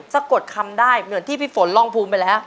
สะกดคำได้เหมือนที่พี่ฝนร่องภูมิไปแล้ว